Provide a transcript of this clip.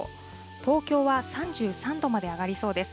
東京は３３度まで上がりそうです。